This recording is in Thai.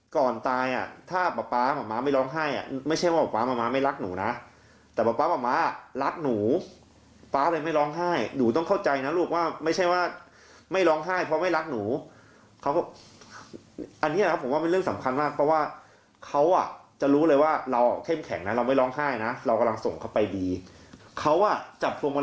ก่อนตายอ่ะถ้าป๊าป๊าหมอม้าไม่ร้องไห้อ่ะไม่ใช่ว่าหมอป๊าม้าไม่รักหนูนะแต่ป๊าม้ารักหนูป๊าเลยไม่ร้องไห้หนูต้องเข้าใจนะลูกว่าไม่ใช่ว่าไม่ร้องไห้เพราะไม่รักหนูเขาบอกอันนี้นะผมว่าเป็นเรื่องสำคัญมากเพราะว่าเขาอ่ะจะรู้เลยว่าเราเข้มแข็งนะเราไม่ร้องไห้นะเรากำลังส่งเขาไปดีเขาอ่ะจับตัวมา